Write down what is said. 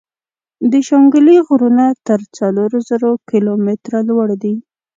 د شانګلې غرونه تر څلور زرو کلو ميتره لوړ دي ـ